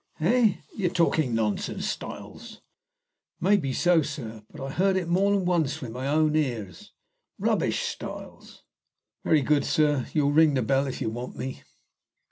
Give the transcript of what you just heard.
"Eh! you're talking nonsense, Styles." "Maybe so, sir; but I heard it more'n once with my own ears." "Rubbish, Styles." "Very good, sir. You'll ring the bell if you want me."